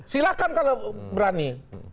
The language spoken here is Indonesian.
silahkan kalau berani